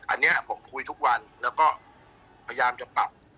อันนี้ผมคุยทุกวันแล้วก็พยายามจะปรับ